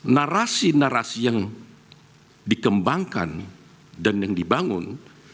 narasi narasi yang dikembangkan dan yang dibangun